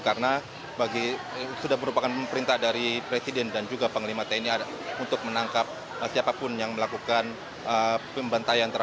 karena sudah merupakan pemerintah dari presiden dan juga panglima tni untuk menangkap siapapun yang melakukan